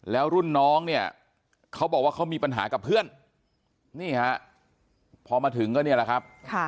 แล้วรุ่นน้องเนี่ยเขาบอกว่าเขามีปัญหากับเพื่อนนี่ฮะพอมาถึงก็เนี่ยแหละครับ